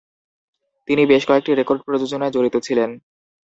তিনি বেশ কয়েকটি রেকর্ড প্রযোজনায় জড়িত ছিলেন।